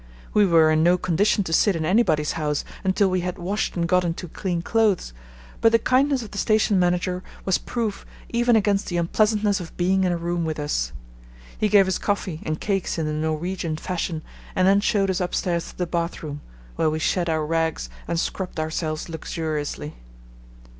We were in no condition to sit in anybody's house until we had washed and got into clean clothes, but the kindness of the station manager was proof even against the unpleasantness of being in a room with us. He gave us coffee and cakes in the Norwegian fashion, and then showed us upstairs to the bathroom, where we shed our rags and scrubbed ourselves luxuriously.